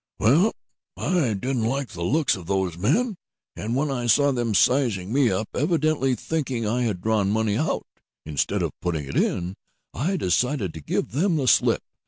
"Well, I didn't like the looks of these men, and when I saw them sizing me up, evidently thinking I had drawn money out instead of putting it in, I decided to give them the slip.